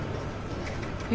え？